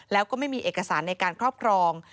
แล้วก็ไม่มีเอกสารในการครอบครอง